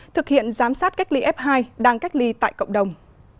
thực hiện giám sát cách ly f hai đang cách ly tại cộng đồng